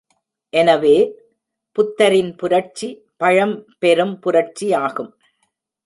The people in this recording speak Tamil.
எனவே, புத்தரின் புரட்சி பழம் பெரும் புரட்சியாகும்.